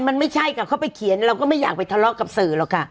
มันไม่ใช่กับเขาไปเขียนเราก็ไม่อยากไปทะเลาะกับสื่อหรอกค่ะ